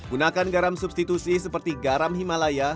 gunakan garam substitusi seperti garam himalaya